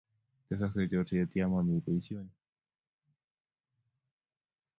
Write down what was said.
Tesaksei chorset ya mami boisionik